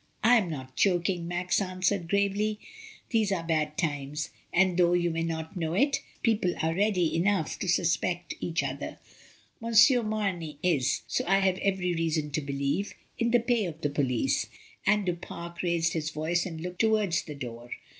"I am not joking," Max answered, gravely; "these are bad times, and though you may not know it people are ready enough to suspect each other. Monsieur Mamey is (so I have every reason to believe) in the pay of the police," and Du Pare raised his voice and looked towards the door.